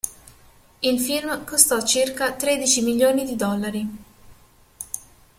Il film costò circa tredici milioni di dollari.